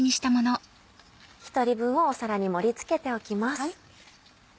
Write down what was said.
１人分を皿に盛り付けておきます。